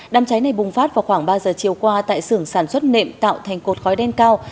đám cháy này bùng phát vào khoảng ba giờ chiều qua tại xưởng sản xuất nệm tạo thành cột khói đen cao